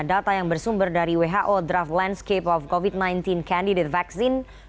data yang bersumber dari who draft landscape of covid sembilan belas candidat vaksin